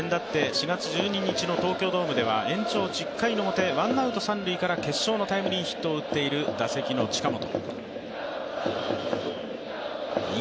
４月１２日の東京ドームでは延長１０回の表ワンアウト三塁から決勝のタイムリーヒットを打っている打席の近本。